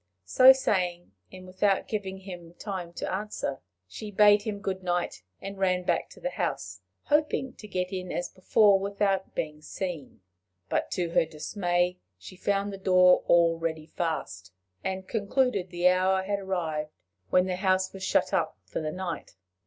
So saying, and without giving him time to answer, she bade him good night, and ran back to the house, hoping to get in as before without being seen. But to her dismay she found the door already fast, and concluded the hour had arrived when the house was shut up for the night.